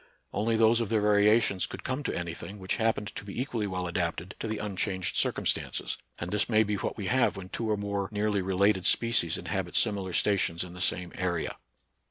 Only those of their variations could come to any thing which happened to be equally well adapted to the unchanged circumstances j and this may be what we have when two or more nearly re lated species inhabit similar stations in the same area.